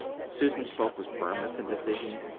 Susan spoke with firmness and decision.